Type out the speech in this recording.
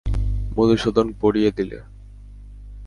মধুসূদন পরিয়ে দিলে।